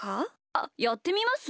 あっやってみます？